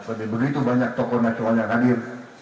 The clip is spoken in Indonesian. tapi begitu banyak tokoh nasional yang hadir